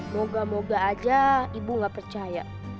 moga moga aja ibu nggak percaya